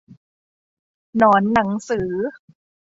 หนอนหนังสือ